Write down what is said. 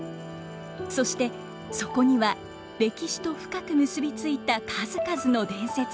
そしてそこには歴史と深く結び付いた数々の伝説も。